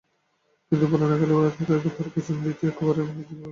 কিন্তু পুরোনো খেলোয়াড়েরা তাঁর কোচিং রীতি নাকি একেবারেই পছন্দ করেন না।